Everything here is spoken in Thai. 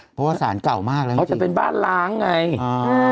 เพราะว่าสารเก่ามากแล้วจริงจริงต้องเป็นบ้านล้างไงอ่า